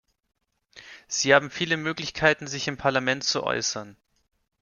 Sie haben viele Möglichkeiten, sich im Parlament zu äußern.